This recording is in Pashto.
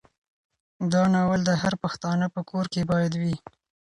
دا ناول د هر پښتانه په کور کې باید وي.